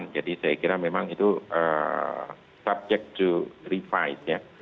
jadi saya kira memang itu subject to revise